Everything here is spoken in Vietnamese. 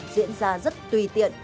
diễn ra rất tùy tiện